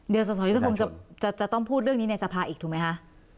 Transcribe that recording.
เดี๋ยวส่วนส่วนส่วนสุดผมจะต้องพูดเรื่องนี้ในสภาอีกถูกไหมฮะ